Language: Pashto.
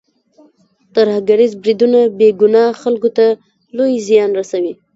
ترهګریز بریدونه بې ګناه خلکو ته لوی زیان رسوي.